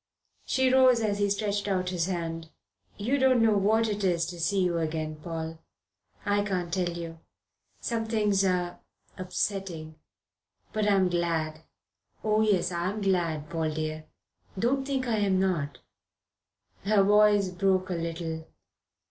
She rose as he stretched out his hand. "You don't know what it is to see you again, Paul. I can't tell you. Some things are upsetting. But I'm glad. Oh, yes, I'm glad, Paul dear. Don't think I'm not." Her voice broke a little.